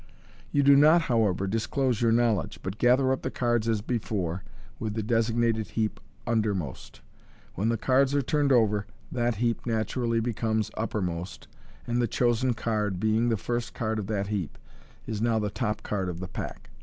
You do not, however, disclose your knowledge, but gather up the cards as before, with the designated heap undermost j when the cards are turned over, that heap naturally becomes uppermost, and the chosen card, being the first card of that heap, is now the top card of the pack.